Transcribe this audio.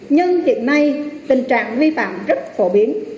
nhưng hiện nay tình trạng vi phạm rất phổ biến